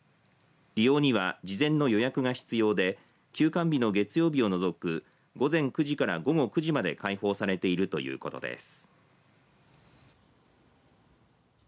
利用には、事前の予約が必要で休館日の月曜日を除く午前９時から午後９時まで開放されているということです。